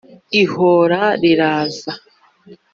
Ihoro riraza.